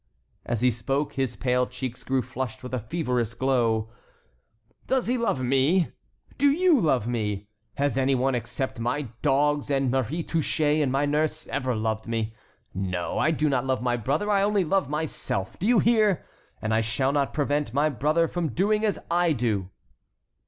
As he spoke, his pale cheeks grew flushed with a feverish glow. "Does he love me? Do you love me? Has any one, except my dogs, and Marie Touchet, and my nurse, ever loved me? No! I do not love my brother, I love only myself. Do you hear? And I shall not prevent my brother from doing as I do."